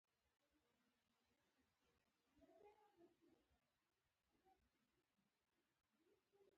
سړی د ناکاميو او مرګ ګړنګونو ته ټېل وهي.